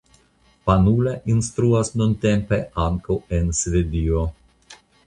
Panula instruas nuntempe ankaŭ en Svedio.